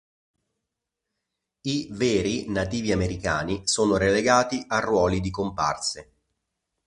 I "veri" nativi americani sono relegati a ruoli di comparse.